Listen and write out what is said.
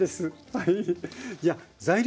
はい。